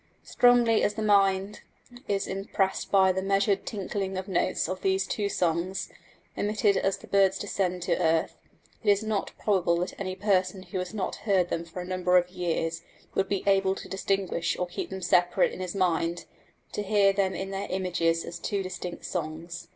Strongly as the mind is impressed by the measured tinkling notes of these two songs, emitted as the birds descend to earth, it is not probable that any person who had not heard them for a number of years would be able to distinguish or keep them separate in his mind to hear them in their images as two distinct songs.